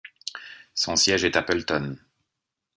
Son siège est Appleton.